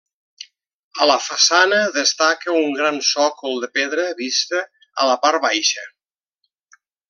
A la façana destaca un gran sòcol de pedra vista a la part baixa.